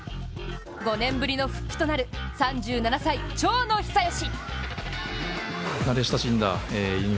５年ぶりの復帰となる３７歳、長野久義。